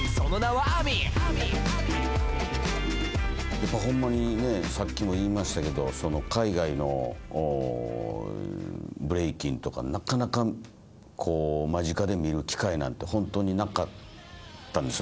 やっぱほんまにねさっきも言いましたけど海外のブレイキンとかなかなか間近で見る機会なんてほんとになかったんですよ